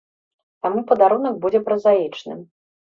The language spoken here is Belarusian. Таму падарунак будзе празаічным.